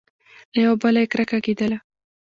له یوه بله یې کرکه کېدله !